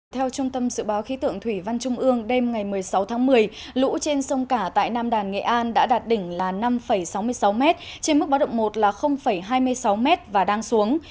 theo trung tâm dự báo khí tượng thủy văn trung ương đêm ngày một mươi sáu tháng một mươi lũ trên sông cả tại nam đàn nghệ an đã đạt đỉnh là năm sáu mươi sáu m trên mức báo động một là hai mươi sáu m và đang xuống